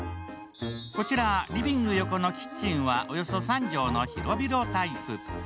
こちらリビング横のキッチンは、およそ３畳の広々タイプ。